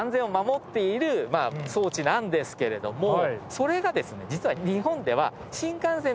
それがですね実は。